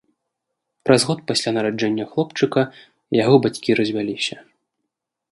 Праз год пасля нараджэння хлопчыка яго бацькі развяліся.